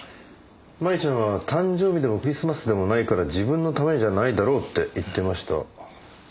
麻衣ちゃんは誕生日でもクリスマスでもないから自分のためじゃないだろうって言ってました。